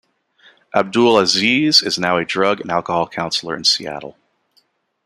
Abdul-Aziz is now a drug and alcohol counselor in Seattle.